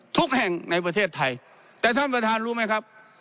ทุกแห่งในประเทศไทยแต่ท่านประธานรู้ไหมครับ